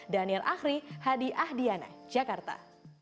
daniel ahri hadi ahdiana jakarta